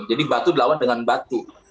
jadi batu lawan dengan batu